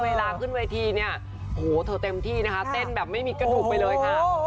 เวลาขึ้นเวทีเนี่ยโอ้โหเธอเต็มที่นะคะเต้นแบบไม่มีกระดูกไปเลยค่ะ